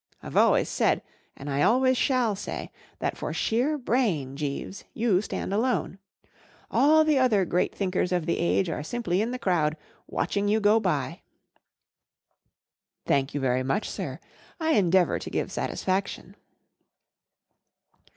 I've always said* and I always shall say, that for sheer brain, Jeeves, you stand alone All the other great thinkers of the age are simply in the crowd, watching you go by." " Thank you very much, sir. I endeavour to give satisfaction."